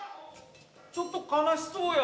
ちょっと悲しそうや。